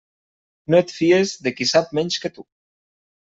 No et fies de qui sap menys que tu.